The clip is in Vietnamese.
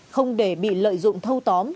không để bị lợi dụng thâu tóm